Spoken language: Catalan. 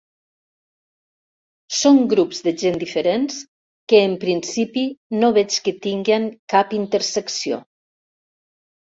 Són grups de gent diferents, que en principi no veig que tinguin cap intersecció.